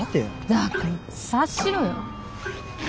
だから察しろよ。